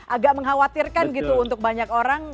agak mengkhawatirkan gitu untuk banyak orang